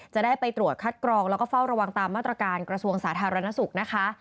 จะได้ไปตรวจคัดกรองแล้วก็เฝ้าระวังตามมาตรการกระทรวงสาธารณสุขนะคะ